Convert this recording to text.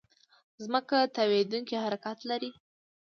ځمکه تاوېدونکې حرکت لري.